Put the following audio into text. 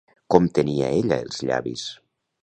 Com tenia ella els llavis?